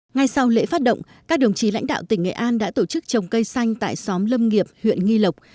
ngay sau lễ phát động các đồng chí lãnh đạo tỉnh nghệ an đã tổ chức trồng cây xanh tại xóm lâm nghiệp huyện nghi lộc